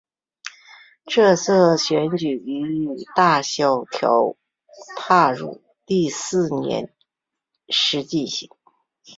这次选举于大萧条踏入第四年时进行。